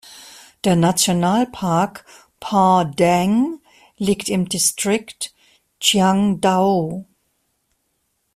Der Nationalpark Pha Daeng liegt im Distrikt Chiang Dao.